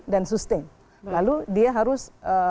dan sustain lalu dia harus